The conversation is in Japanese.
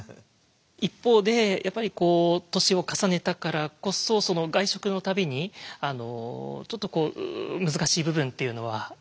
一方でやっぱり年を重ねたからこそ外食の度にちょっとこう難しい部分っていうのは？